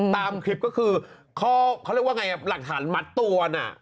ตามคลิปก็คือหลักฐานมัดตวน